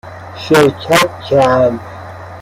شرکت کرد